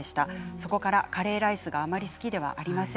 そこからカレーライスがあまり好きではありません。